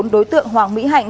đối tượng hoàng mỹ hạnh